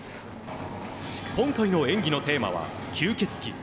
今回の演技のテーマは「吸血鬼」。